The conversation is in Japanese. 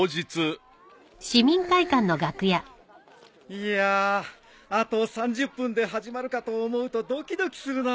いやあと３０分で始まるかと思うとドキドキするなあ。